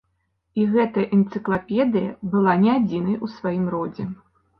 І гэтая энцыклапедыя была не адзінай у сваім родзе.